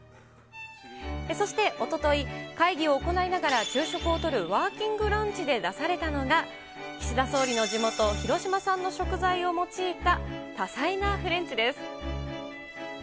そして、おととい、会議を行いながら昼食をとるワーキングランチで出されたのが、岸田総理の地元、広島産の食材を用いた多彩なフレンチです。